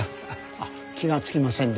あっ気がつきませんで。